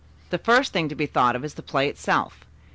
"The first thing to be thought of is the play itself.